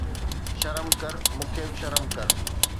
شرم ڪر، مون کي به شرم ڪر